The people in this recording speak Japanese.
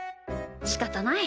しかたない。